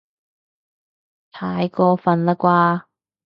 太過分喇啩